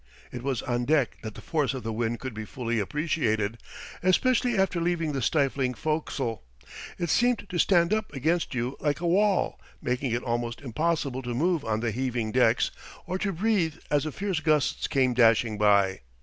It was on deck that the force of the wind could be fully appreciated, especially after leaving the stifling fo'castle. It seemed to stand up against you like a wall, making it almost impossible to move on the heaving decks or to breathe as the fierce gusts came dashing by.